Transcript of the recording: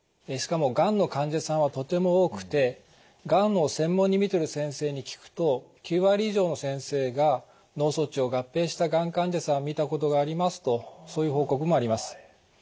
しかもがんの患者さんはとても多くてがんを専門に診てる先生に聞くと９割以上の先生が脳卒中を合併したがん患者さんを診たことがありますとそういう報告もあります。